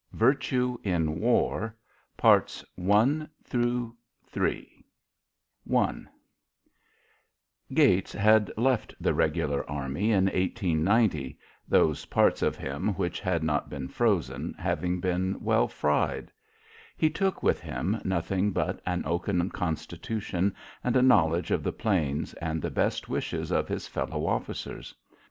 VIRTUE IN WAR I Gates had left the regular army in 1890, those parts of him which had not been frozen having been well fried. He took with him nothing but an oaken constitution and a knowledge of the plains and the best wishes of his fellow officers.